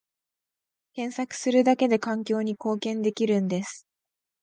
検索するだけで環境に貢献できるんです